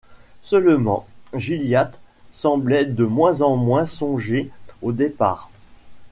Seulement, Gilliatt semblait de moins en moins songer au départ.